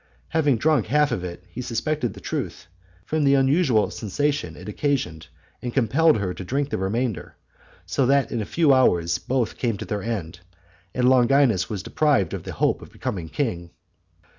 Having drunk half of it, he suspected the truth, from the unusual sensation it occasioned and compelled her to drink the remainder; so that in a few hours both came to their end, and Longinus was deprived of the hope of becoming king.